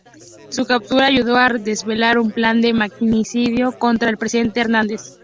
Su captura ayudó a desvelar un plan de magnicidio contra el presidente Hernández.